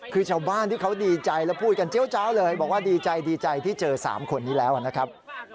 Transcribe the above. คือชาวบ้านที่เขาดีใจแล้วพูดกันเจี๊ยเจ้าเลยบอกว่าดีใจดีใจที่เจอ๓คนนี้แล้วนะครับ